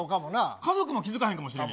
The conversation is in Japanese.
家族も気付かへんかもしれへん。